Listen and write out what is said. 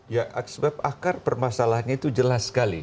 ya sebab akar permasalahannya itu jelas sekali